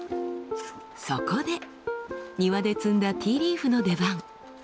そこで庭で摘んだティーリーフの出番！